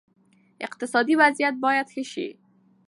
اقتصادي وضعیت باید ښه شي.